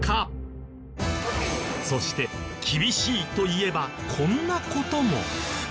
そして厳しいといえばこんな事も。